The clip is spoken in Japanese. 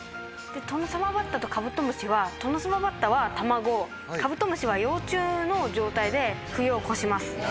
でトノサマバッタとカブトムシはトノサマバッタは卵カブトムシは幼虫の状態で冬を越します。